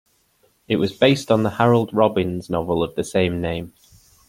It was based on the Harold Robbins novel of the same name.